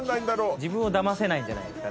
自分をだませないんじゃないですかね。